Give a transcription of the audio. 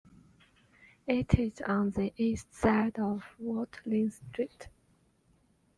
It is on the east side of Watling Street.